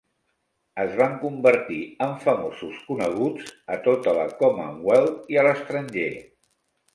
Es van convertir en famosos, coneguts a tota la Commonweath i a l'estranger.